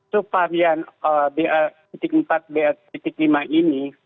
subparian brr empat brr lima ini